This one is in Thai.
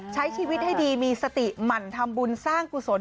ใช้ชีวิตให้ดีมีสติหมั่นทำบุญสร้างกุศล